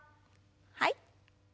はい。